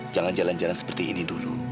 jangan jalan jalan seperti ini dulu